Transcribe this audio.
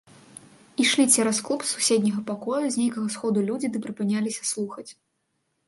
Ішлі цераз клуб з суседняга пакоя з некага сходу людзі ды прыпыняліся слухаць.